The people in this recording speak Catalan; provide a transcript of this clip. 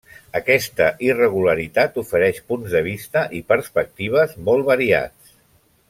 Aquesta irregularitat ofereix punts de vista i perspectives molt variats.